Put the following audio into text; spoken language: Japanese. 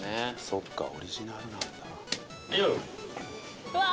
そっかオリジナルなんだうわ